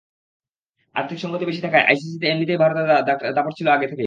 আর্থিক সংগতি বেশি থাকায় আইসিসিতে এমনিতেই ভারতের দাপট ছিল আগে থেকেই।